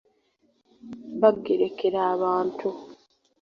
Bagerekera abantu.